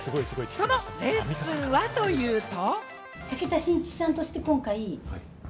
そのレッスンはというと。